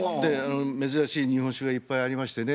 珍しい日本酒がいっぱいありましてね。